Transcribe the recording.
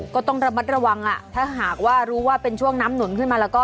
ก็ต้องระมัดระวังอ่ะถ้าหากว่ารู้ว่าเป็นช่วงน้ำหนุนขึ้นมาแล้วก็